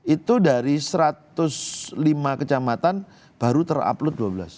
itu dari satu ratus lima kecamatan baru terupload dua belas